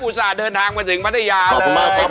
อุตสานเดินทางมาถึงปัญหาเลยมากครับค่ะขอบคุณมากค่ะครับ